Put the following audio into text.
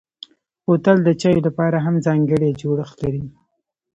بوتل د چايو لپاره هم ځانګړی جوړښت لري.